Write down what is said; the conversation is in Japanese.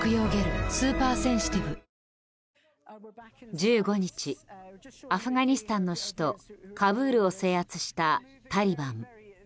１５日、アフガニスタンの首都カブールを制圧したタリバン。